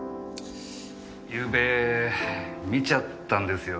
昨夜見ちゃったんですよ。